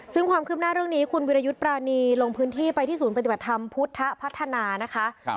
ซึ่งความคืบหน้าเรื่องนี้คุณวิรยุทธ์ปรานีลงพื้นที่ไปที่ศูนย์ปฏิบัติธรรมพุทธพัฒนานะคะ